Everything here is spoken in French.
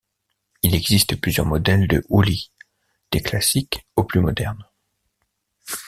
Il existe plusieurs modèles de houlis, des classiques aux plus modernes.